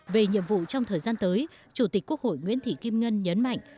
về nhiệm vụ trong thời gian tới chủ tịch quốc hội nguyễn thị kim ngân nhấn mạnh